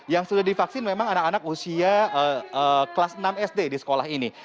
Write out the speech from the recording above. yang sudah divaksin memang anak anak usia kelas enam sd di sekolah ini